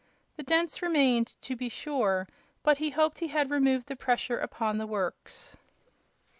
The dents remained, to be sure, but he hoped he had removed the pressure upon the works.